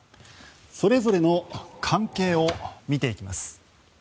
それぞれの関係を見ていきます。